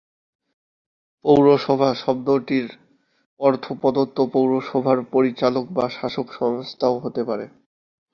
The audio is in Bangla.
পৌরসভা শব্দটির অর্থ প্রদত্ত পৌরসভার পরিচালক বা শাসক সংস্থাও হতে পারে।